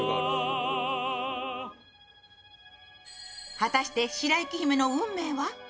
果たして白雪姫の運命は？